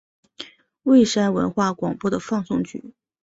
蔚山文化广播的放送局。